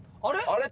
あれ？